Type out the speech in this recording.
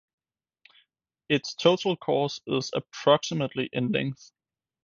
Its total course is approximately in length.